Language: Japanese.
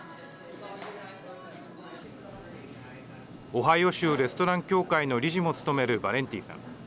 オハイオ州レストラン協会の理事も務めるヴァレンティさん。